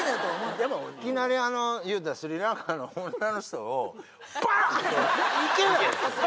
でもいきなりあのいうたらスリランカの女の人をバン！とはいけないですよね。